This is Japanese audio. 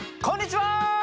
こんにちは！